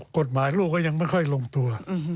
กฎหมายลูกก็ยังไม่ค่อยลงตัว